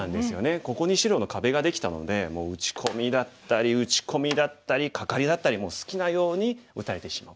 ここに白の壁ができたので打ち込みだったり打ち込みだったりカカリだったりもう好きなように打たれてしまう。